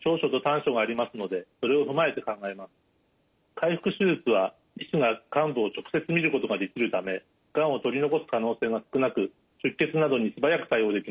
開腹手術は医師が患部を直接見ることができるためがんを取り残す可能性が少なく出血などに素早く対応できます。